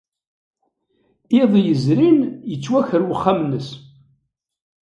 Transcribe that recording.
Iḍ yezrin, yettwaker wexxam-nnes.